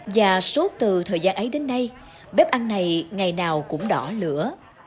và suốt từ thời gian ấy đến nay bếp ăn này ngày nào cũng đỏ lửa